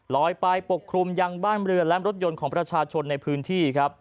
ลอยไปปกคลุมยังบ้านเรือนและรถยนต์ของประชาชนในพื้นที่ครับ